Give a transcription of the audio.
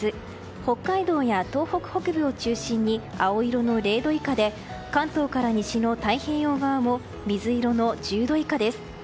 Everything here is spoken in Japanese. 北海道や東北北部を中心に青色の０度以下で関東から西の太平洋側も水色の１０度以下です。